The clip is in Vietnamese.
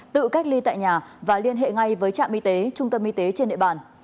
tự cách ly tại nhà và liên hệ ngay với trạm y tế trung tâm y tế trên địa bàn